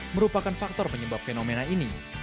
merupakan faktor penyebab fenomena ini